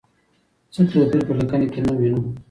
څه توپیر په لیکنه کې نه وینو؟